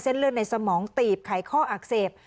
เลือดในสมองตีบไขข้ออักเสบ